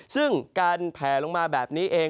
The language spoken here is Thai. ซึ่งการแผลลงมาแบบนี้เอง